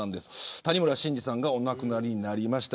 谷村新司さんがお亡くなりになりました。